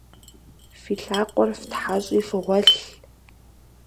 Фи лъакъуэр фтхьэщӏи фыгъуэлъ!